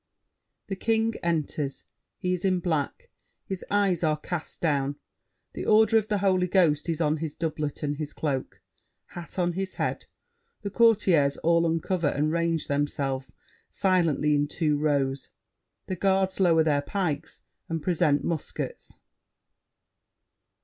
[The King enters; he is in black, his eyes are cast down. The order of the Holy Ghost is on his doublet and his cloak. Hat on his head. The Courtiers all uncover and range themselves, silently, in two rows. The Guards lower their pikes and present muskets.